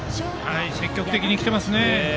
積極的にきていますね。